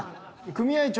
組合長。